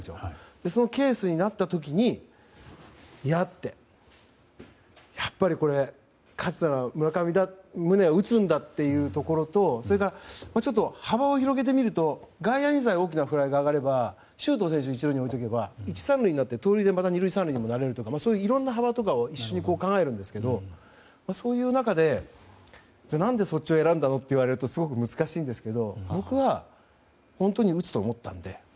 で、そのケースになった時にいや、やっぱりこれ勝つなら村上だ、ムネは打つんだっていうところとそれからちょっと幅を広げてみると外野にさえ大きなフライが上がれば周東選手を１塁に置いておけば１、３塁になって盗塁でまた２塁３塁になれるとかいろんな幅を考えるんですけどそういう中で、何でそっちを選んだの？と言われるとすごく難しいんですけど僕は本当に打つと思ったので。